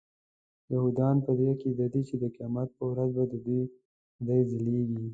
یهودان په دې عقیده دي چې د قیامت په ورځ به ددوی خدای ځلیږي.